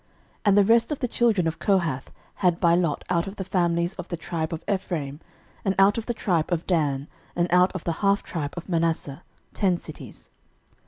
06:021:005 And the rest of the children of Kohath had by lot out of the families of the tribe of Ephraim, and out of the tribe of Dan, and out of the half tribe of Manasseh, ten cities.